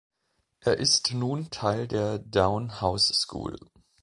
Er ist nun Teil der Downe House School.